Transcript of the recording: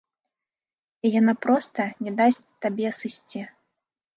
І яна проста не дасць табе сысці.